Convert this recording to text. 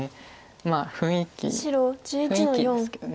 まあ雰囲気ですけど。